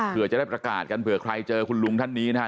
เพื่อจะได้ประกาศกันเผื่อใครเจอคุณลุงท่านนี้นะฮะ